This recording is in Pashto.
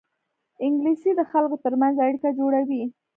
انګلیسي د خلکو ترمنځ اړیکه جوړوي